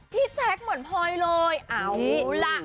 แจ๊คเหมือนพลอยเลยเอาล่ะ